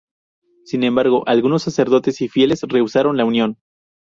Sin embargo, algunos sacerdotes y fieles rehusaron la unión.